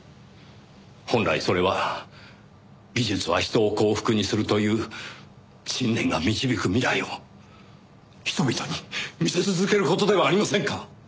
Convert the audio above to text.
本来それは技術は人を幸福にするという信念が導く未来を人々に見せ続ける事ではありませんか？